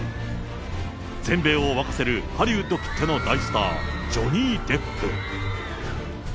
全米を沸かせるハリウッドきってのスター、ジョニー・デップ。